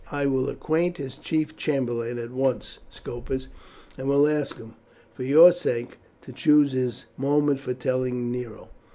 "I will acquaint his chief chamberlain at once, Scopus, and will ask him, for your sake, to choose his moment for telling Nero.